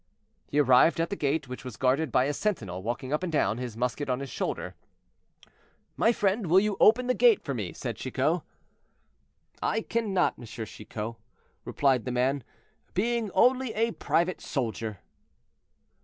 He arrived at the gate, which was guarded by a sentinel walking up and down, his musket on his shoulder. "My friend, will you open the gate for me?" said Chicot. "I cannot, M. Chicot," replied the man, "being only a private soldier."